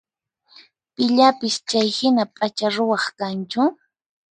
Pillapis chayhina p'acha ruwaq kanchu?